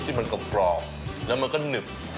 ที่มันกรอบแล้วมันก็หนึบ